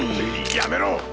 やめろ！